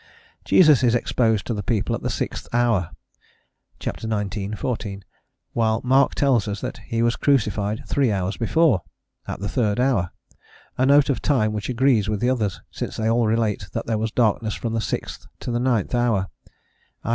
Jesus is exposed to the people at the sixth hour (ch. xix. 14), while Mark tells us he was crucified three hours before at the third hour a note of time which agrees with the others, since they all relate that there was darkness from the sixth to the ninth hour, i.